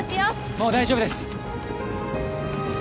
もう大丈夫です。